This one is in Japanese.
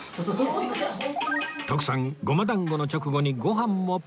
徳さん胡麻団子の直後にご飯もペロリ